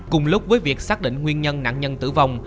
cùng lúc với việc xác định nguyên nhân nạn nhân tử vong